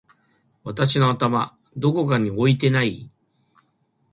私の頭どこかに置いてない？！